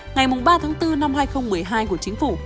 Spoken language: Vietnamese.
ngày ba tháng bốn năm hai nghìn một mươi hai của chính phủ